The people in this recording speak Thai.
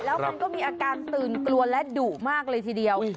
แล้วมันก็มีอาการตื่นกลัวและดุมากเลยทีเดียว